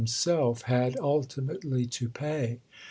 himself had ultimately to pay.